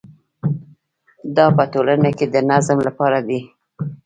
دا په ټولنه کې د نظم لپاره دی.